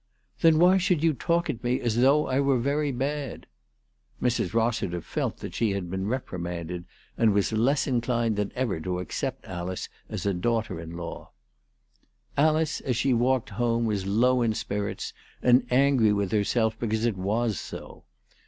" Then why should you talk at me as though I were very bad?" Mrs. Rossiter felt that she had been re primanded, and was less inclined than ever to accept Alice as a daughter in law. Alice, as she walked home, was low in spirits, and angry with herself because it was so.